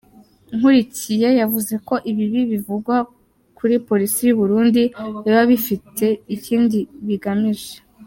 Nkurikiye yavuze ko ibibi bivugwa kuri polisi y’u Burundi biba bifite ikindi bigamije.